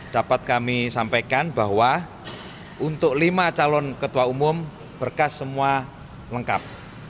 dapat kami sampaikan bahwa untuk lima calon ketua umum berkas semua lengkap